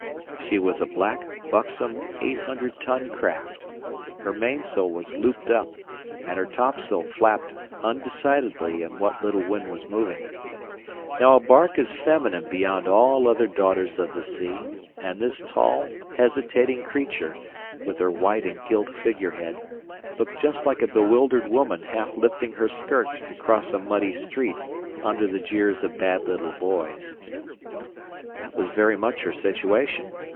She was a black, buxom, eight hundred ton craft. Her mainsail was looped up, and her topsail flapped undecidedly in what little wind was moving. Now a bark is feminine beyond all other daughters of the sea, and this tall, hesitating creature, with her white and gilt figurehead, looked just like a bewildered woman half lifting her skirts to cross a muddy street under the jeers of bad little boys. That was very much her situation.